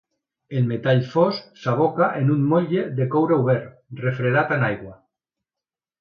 El metall fos s'aboca en un motlle de coure obert, refredat amb aigua.